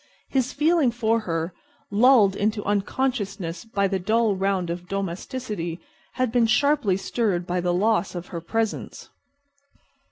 His feeling for her, lulled into unconsciousness by the dull round of domesticity, had been sharply stirred by the loss of her presence.